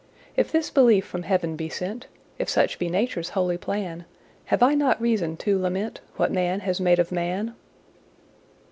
If this belief from heaven be sent, If such be Nature's holy plan, Have I not reason to lament What man has made of man?